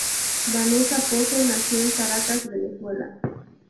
Vanessa Pose nació en Caracas, Venezuela.